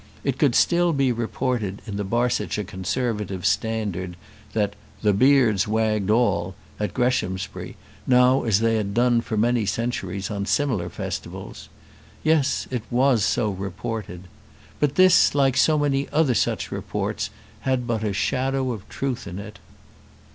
It could still be reported in the Barsetshire Conservative Standard that "The beards wagged all" at Greshamsbury, now as they had done for many centuries on similar festivals. Yes; it was so reported. But this, like so many other such reports, had but a shadow of truth in it.